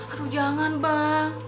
aduh jangan bang